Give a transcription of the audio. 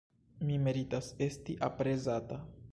Mi meritas esti aprezata.